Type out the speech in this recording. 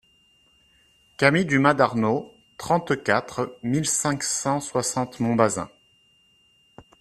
Cami du Mas d'Arnaud, trente-quatre mille cinq cent soixante Montbazin